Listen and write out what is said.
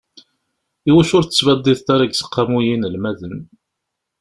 Iwacu ur d-tettbaddideḍ ara deg useqqamu n yinelmaden?